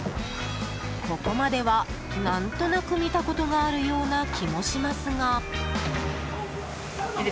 ここまでは、何となく見たことがあるような気もしますが。